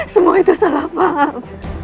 semua itu salah faham